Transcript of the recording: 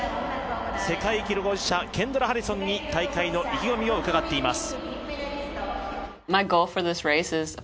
世界記録保持者、ケンドラ・ハリソンに大会の意気込みを伺っています。